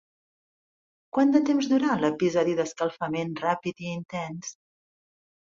Quant de temps durà l'episodi d'escalfament ràpid i intens?